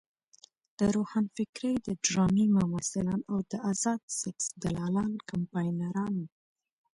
د روښانفکرۍ د ډرامې ممثلان او د ازاد سیکس دلالان کمپاینران وو.